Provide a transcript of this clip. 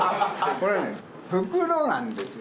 これね、袋なんですよ。